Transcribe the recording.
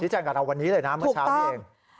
แจ้งกับเราวันนี้เลยนะเมื่อเช้านี้เอง